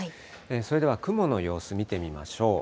それでは雲の様子見てみましょう。